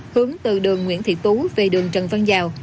hướng từ đường nguyễn thị tú về đường trần văn giào